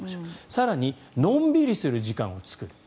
更に、のんびりする時間を作る。